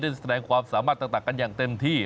แสดงความสามารถต่างกันอย่างเต็มที่